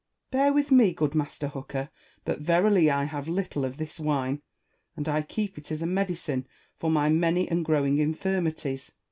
Bear with me, good Master Hooker, but verily I have little of this wine, and I keep it as a medicine for my many and growing infirmities.